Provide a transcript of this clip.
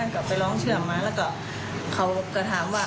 ก็ไปร้องเชื่อมมาแล้วก็เขาก็ถามว่า